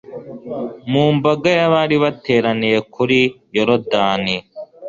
Mu mbaga y'abari bateraniye kuri Yorodani,